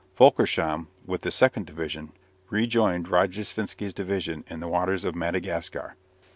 Fölkersham, with the second division, rejoined Rojdestvensky's division in the waters of Madagascar.